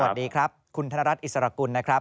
สวัสดีครับคุณธนรัฐอิสรกุลนะครับ